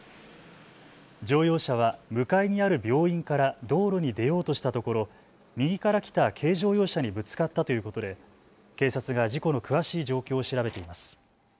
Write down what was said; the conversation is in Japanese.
乗用車は向かいにある病院から道路に出ようとしたところ右から来た軽乗用車にぶつかったということで警察が事故の詳しい状況を調べています。